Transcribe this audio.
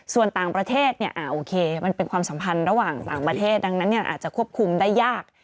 ส่วนต่างประเทศโอเคมันเป็นความสัมพันธ์ระหว่างต่างประเทศดังนั้นอาจจะควบคุมได้ยาก